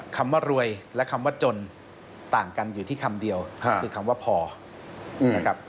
คำว่ารวยและคำว่าจนต่างกันอยู่ที่คำเดียวคือคำว่าพอนะครับ